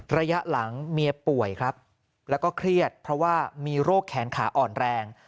ระยะหลังเมียป่วยครับแล้วก็เครียดเพราะว่ามีโรคแขนขาอ่อนแรง